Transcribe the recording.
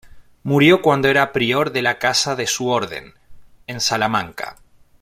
Murió cuando era prior de la casa de su Orden, en Salamanca.